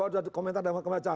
ada yang komentar dan macam macam